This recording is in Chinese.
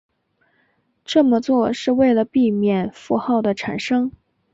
这么做是为了避免负号的产生。